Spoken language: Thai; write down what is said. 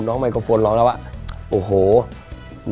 น้องไมโครโฟนจากทีมมังกรจิ๋วเจ้าพญา